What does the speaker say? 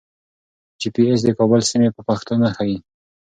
جي پي ایس د کابل سیمې په پښتو نه ښیي.